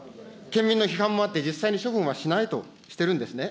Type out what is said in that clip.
県民の批判もあって、実際に処分はしないとしてるんですね。